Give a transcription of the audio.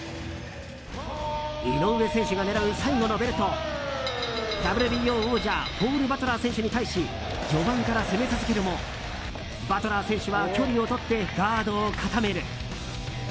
井上選手が狙う最後のベルトＷＢＯ王者ポール・バトラー選手に対し序盤から攻め続けるもバトラー選手は距離をとってガードを固める。